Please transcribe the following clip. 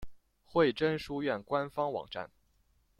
惠贞书院官方网站